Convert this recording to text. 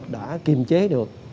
đã kiềm chế được